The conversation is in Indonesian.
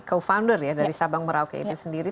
co founder ya dari sabang merauke itu sendiri